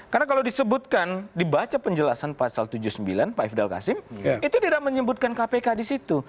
karena kalau disebutkan dibaca penjelasan pasal tujuh puluh sembilan pak ifdal kasim itu tidak menyebutkan kpk di situ